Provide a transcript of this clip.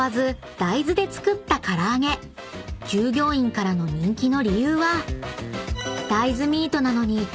［従業員からの人気の理由は］